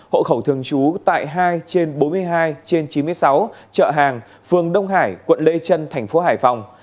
hộ khẩu thường trú tại hai trên bốn mươi hai trên chín mươi sáu chợ hàng phường đông hải quận lê trân thành phố hải phòng